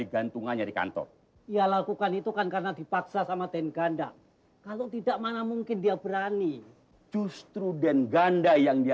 jangan lupa kirim kasih notifikasi dangb tadi